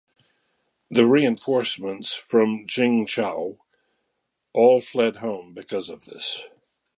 The reinforcements from Jingzhou all fled home because of this.